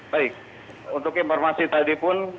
baik untuk informasi tadi pun